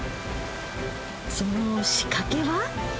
その仕掛けは？